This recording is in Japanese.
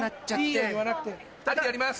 ２人でやります！